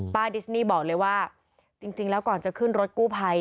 ดิสนี่บอกเลยว่าจริงแล้วก่อนจะขึ้นรถกู้ภัย